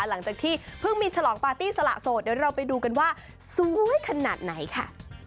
หลังจากที่เพิ่งมีฉลองปาร์ตี้สละโสดเดี๋ยวเราไปดูกันว่าสวยขนาดไหนค่ะ